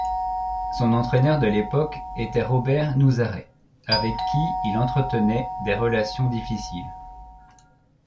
Son entraîneur de l'époque était Robert Nouzaret, avec qui il entretenait des relations difficiles.